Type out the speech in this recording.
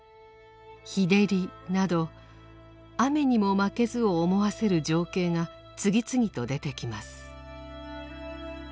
「ヒデリ」など「雨ニモマケズ」を思わせる情景が次々と出てきます。